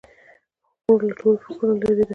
خور له تور فکرونو لیرې ده.